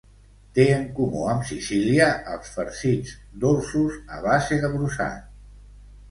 Té en comú amb Sicília els farcits dolços a base de brossat.